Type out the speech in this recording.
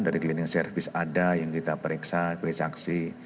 dari cleaning service ada yang kita periksa sebagai saksi